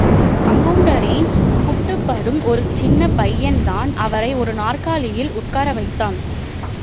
கம்பவுண்டரிடம் குட்டுப்படும் ஒரு சின்னப் பையன்தான் அவரை ஒரு நாற்காலியில் உட்கார வைத்தான்.